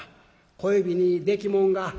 小指にできもんが」。